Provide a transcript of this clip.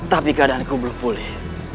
tapi keadaanku belum pulih